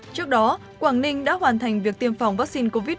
trước đó quảng ninh đã hoàn thành việc tiêm phòng vaccine covid một mươi chín